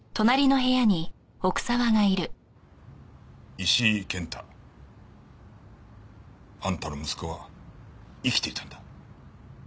石井健太。あんたの息子は生きていたんだ。